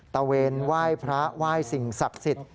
เวนไหว้พระไหว้สิ่งศักดิ์สิทธิ์